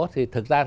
thì thực ra